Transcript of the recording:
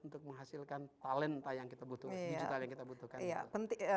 untuk menghasilkan talenta yang kita butuhkan